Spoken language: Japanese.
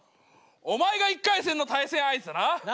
お前が１回戦の対戦相手だな。